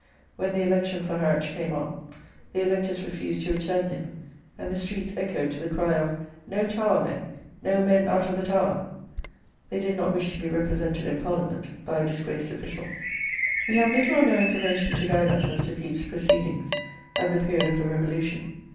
When the election for Harwich came on, the electors refused to return him, and the streets echoed to the cry of "No Tower men, no men out of the Tower!" They did not wish to be represented in parliament by a disgraced official. We have little or no information to guide us as to Pepys's proceedings at the period of the Revolution.